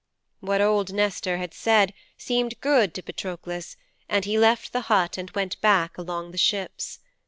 "' 'What old Nestor said seemed good to Patroklos and he left the hut and went back along the ships.